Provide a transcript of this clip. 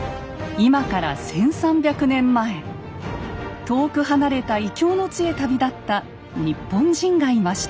今から１，３００年前遠く離れた異郷の地へ旅立った日本人がいました。